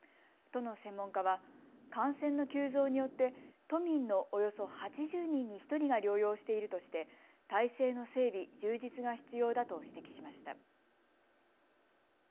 都の専門家は感染の急増によって都民のおよそ８０人に１人が療養しているとして体制の整備、充実が必要だと指摘しました。